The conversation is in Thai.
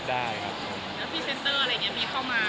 แล้วพรีเซ็นเตอร์อะไรเงี้ยมีเข้ามา